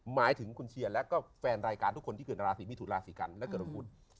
หมายถึงคุณเชียร์และก็แฟนรายการทุกคนที่เกิดราศีมิถุราศีกันและเกิดของคุณ